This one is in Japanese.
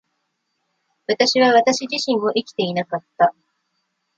私は私自身を生きていなかった。